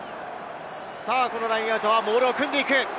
このラインアウトはモールを組んでいく。